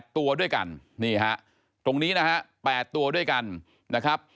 ตัวด้วยกันนี่ฮะตรงนี้นะฮะ๘ตัวด้วยกันนะครับ